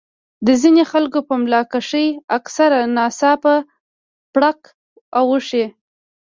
د ځينې خلکو پۀ ملا کښې اکثر ناڅاپه پړق اوشي